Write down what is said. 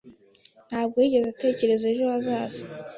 ntabwo yigeze atekereza ejo hazaza.